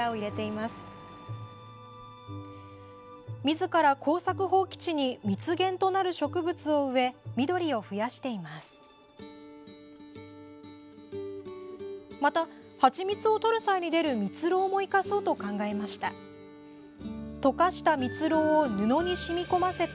また、ハチミツを採る際に出るミツロウも生かそうと考えました。